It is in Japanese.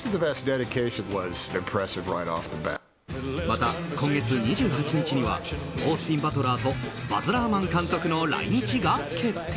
また、今月２８日にはオースティン・バトラーとバズ・ラーマン監督の来日が決定。